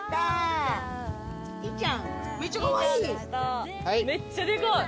めっちゃでかい。